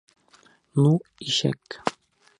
Ну, ишәк!